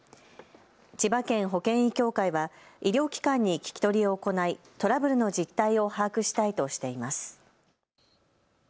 千葉県保険医協会は医療機関に聞き取りを行いトラブルの実態を把握したいとしています。